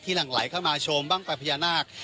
ที่หลั่งไหลเข้ามาชมบ้างกว่าพยาหน้าก